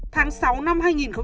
tháng sáu năm hai nghìn một mươi sáu